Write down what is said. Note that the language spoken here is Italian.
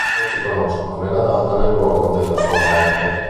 Non si conoscono né la data né il luogo della sua morte.